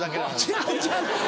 違う違う！